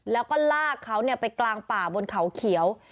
แล้วก็ลากเขาไปกลางป่าบนเขาเขียว